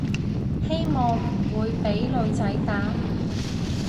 希望唔會畀女仔打